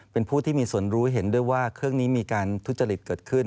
เป็นผู้ที่มีส่วนรู้เห็นด้วยว่าเครื่องนี้มีการทุจริตเกิดขึ้น